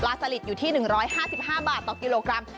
สลิดอยู่ที่๑๕๕บาทต่อกิโลกรัม